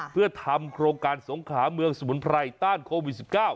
เพื่อทำโครงการสงขาเมืองสมุนไพรต้านโควิด๑๙